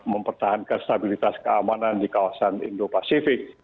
mempertahankan stabilitas keamanan di kawasan indo pasifik